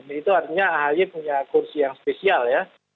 dan itu artinya ahi punya kursi yang spesial ya